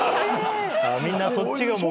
みんなそっちが目的。